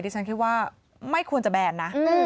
ฉันคิดว่าไม่ควรจะแบนนะ